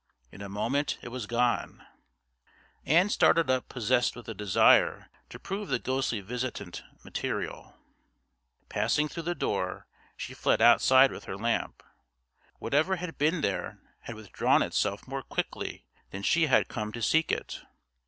In a moment it was gone again. Ann started up possessed with the desire to prove the ghostly visitant material; passing through the door, she fled outside with her lamp. Whatever had been there had withdrawn itself more quickly than she had come to seek it.